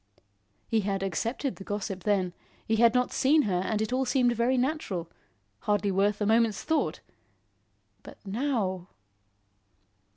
He had accepted the gossip then; he had not seen her and it all seemed very natural; hardly worth a moment's thought. But now!